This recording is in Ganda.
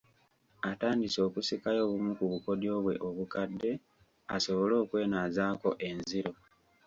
Atandise okusikayo obumu ku bukodyo bwe obukadde asobole okwenaazaako enziro